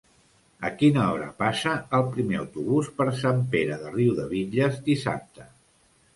A quina hora passa el primer autobús per Sant Pere de Riudebitlles dissabte?